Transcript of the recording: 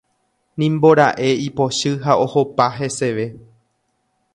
Nimbora'e ipochy ha ohopa heseve.